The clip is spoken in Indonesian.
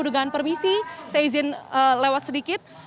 dengan permisi saya izin lewat sedikit